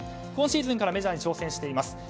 今シーズンからメジャーに挑戦しています。